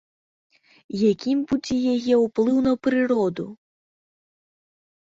Якім будзе яе ўплыў на прыроду?